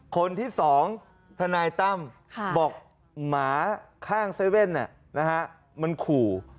คนที่สองธนายตั้มบอกหมาข้างเซเว่นมันขู่